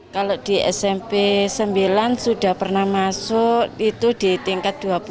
kalau di smp sembilan sudah pernah masuk itu di tingkat dua puluh